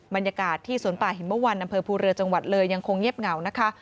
บรรยากาศที่สวนป่าหิมเมื่อวันอำเภอภูเรือจังหวัดเลยยังคงเงียบเหงานะคะ